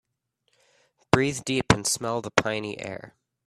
Breathe deep and smell the piny air.